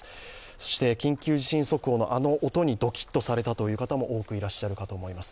そして緊急地震速報のあの音にドキッとされたという方も多くいらっしゃると思います。